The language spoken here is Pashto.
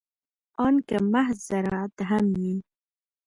ان که محض زراعت هم وي.